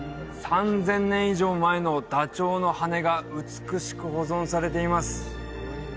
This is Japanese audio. ３０００年以上前のダチョウの羽が美しく保存されています